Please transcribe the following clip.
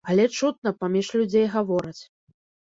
Але чутно, паміж людзей гавораць.